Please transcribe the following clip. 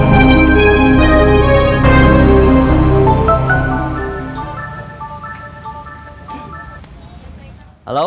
pada saat berakhir